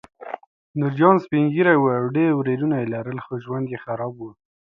نورجان سپین ږیری و او ډېر ورېرونه یې لرل خو ژوند یې خراب و